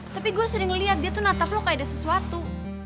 tapi gue sering ngeliat dia tuh natap lo kayak ada sesuatu